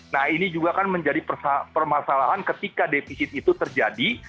nah ini juga kan menjadi permasalahan ketika defisit itu terjadi